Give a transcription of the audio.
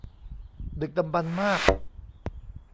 ดึกดำบรรพ์มาก